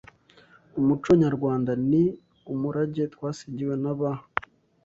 Umuco nyarwanda: Ni umurage twasigiwe na ba